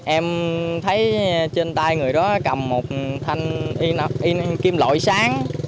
em thấy trên tay người đó cầm một thanh kim lội sáng